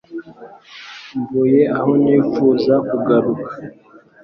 Mvuye aho nifuza kugaruka